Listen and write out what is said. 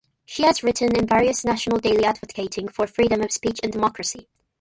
She has written in various national daily advocating for freedom of speech and democracy.